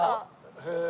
へえ。